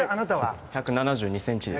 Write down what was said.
１７２ｃｍです。